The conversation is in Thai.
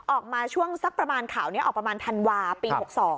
ออกมาช่วงสักประมาณข่าวนี้ออกประมาณธันวาปี๖๒